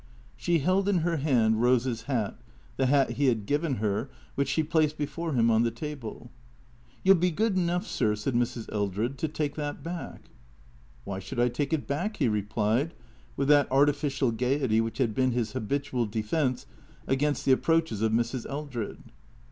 She held in her hand Rose's hat, the hat he had given her, which she placed before him on the table. " You '11 be good enough, sir," said Mrs. Eldred, " to take that back." " Why should I take it back ?" he replied, with that artificial gaiety which had been his habitual defence against the ap proaches of Mrs. Eldred.